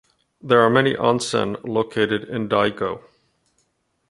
There are many onsen located in Daigo.